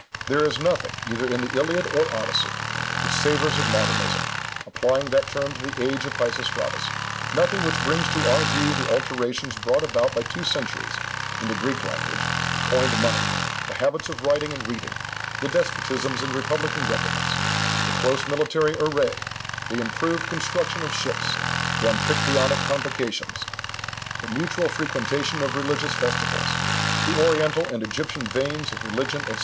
There is nothing, either in the Iliad or Odyssey, which savours of modernism, applying that term to the age of Peisistratus—nothing which brings to our view the alterations brought about by two centuries, in the Greek language, the coined money, the habits of writing and reading, the despotisms and republican governments, the close military array, the improved construction of ships, the Amphiktyonic convocations, the mutual frequentation of religious festivals, the Oriental and Egyptian veins of religion, &c.